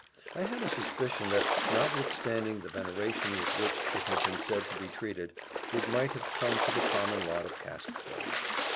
I had a suspicion that, notwithstanding the veneration with which it had been said to be treated, it might have come to the common lot of cast clothes.